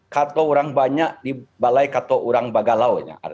kata orang banyak di balai kata orang bagalaunya